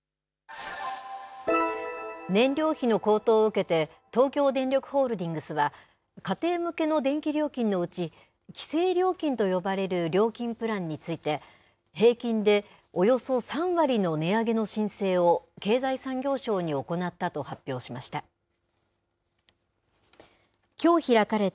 燃料費の高騰を受けて、東京電力ホールディングスは、家庭向けの電気料金のうち、規制料金と呼ばれる料金プランについて、平均でおよそ３割の値上げの申請を、経済産業省に行ったと発表しました。